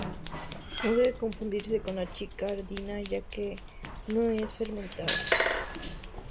No debe confundirse con la chicha andina ya que no es fermentada.